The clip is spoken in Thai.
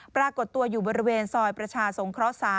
ปรากฏตัวอยู่บริเวณซอยประชาสงเคราะห์๓